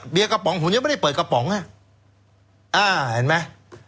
กระป๋องผมยังไม่ได้เปิดกระป๋องอ่ะอ่าเห็นไหม